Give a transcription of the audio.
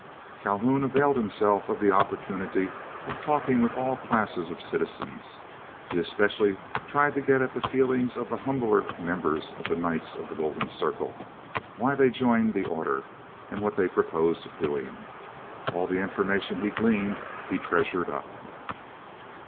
Calhoun availed himself of the opportunity of talking with all classes of citizens. He especially tried to get at the feelings of the humbler members of the Knights of the Golden Circle, why they joined the order, and what they proposed doing. All the information he gleaned he treasured up.